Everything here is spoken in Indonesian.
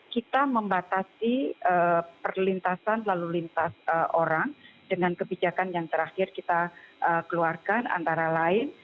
kita membatasi perlintasan lalu lintas orang dengan kebijakan yang terakhir kita keluarkan antara lain